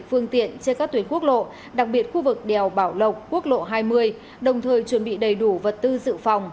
phương tiện trên các tuyến quốc lộ đặc biệt khu vực đèo bảo lộc quốc lộ hai mươi đồng thời chuẩn bị đầy đủ vật tư dự phòng